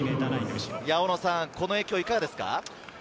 この影響はいかがですか？